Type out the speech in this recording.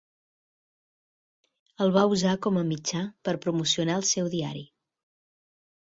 El va usar com a mitjà per promocionar el seu diari.